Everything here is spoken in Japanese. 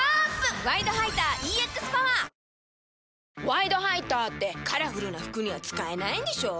「ワイドハイター」ってカラフルな服には使えないんでしょ？